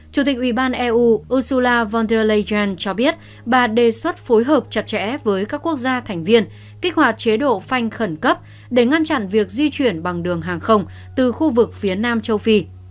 chủ tịch ủy ban eu ursula von der leyen cho biết bà đề xuất phối hợp chặt chẽ với các quốc gia thành viên kích hoạt chế độ phanh khẩn cấp để ngăn chặn việc di chuyển bằng đường hàng không từ khu vực phía nam châu phi